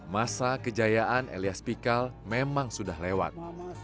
masa kejayaan elias pikal memang sudah lewat